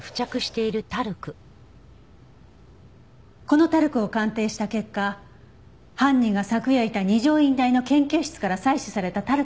このタルクを鑑定した結果犯人が昨夜いた二条院大の研究室から採取されたタルクと合致しました。